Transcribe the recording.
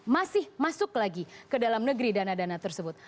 masih masuk lagi ke dalam negeri dana dana tersebut